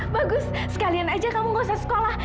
bagus sekalian aja kamu gak usah sekolah